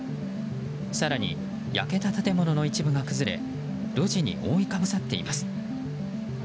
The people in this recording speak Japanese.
更に、焼けた建物の一部が崩れ路地に覆いかぶさっています。